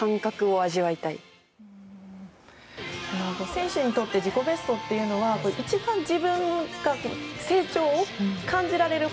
選手にとって自己ベストっていうのは一番、自分が成長を感じられる